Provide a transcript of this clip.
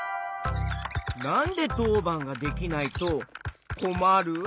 なんでとうばんができないとこまる？